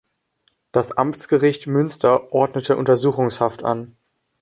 Das Amtsgericht Münster ordnete Untersuchungshaft an.